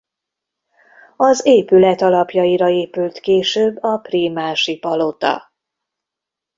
Az épület alapjaira épült később a prímási palota.